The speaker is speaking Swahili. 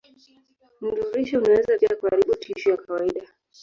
Mnururisho unaweza pia kuharibu tishu ya kawaida.